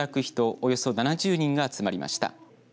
およそ７０人が集まりました。